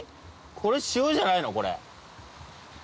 これ塩じゃないの？